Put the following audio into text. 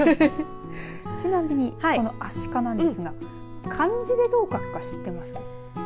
ちなみに、このアシカなんですが漢字でどう書くか知ってますか。